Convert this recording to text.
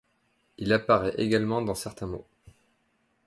Il apparaît également dans certains mots.